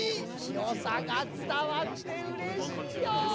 よさがつたわってうれしいよ！